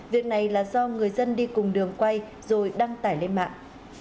việc này là do người dân đi cùng đường quay rồi đăng tải lên mạng